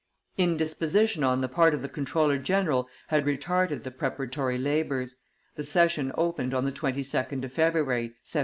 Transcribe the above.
Indisposition on the part of the comptroller general had retarded the preparatory labors; the session opened on the 22d of February, 1787.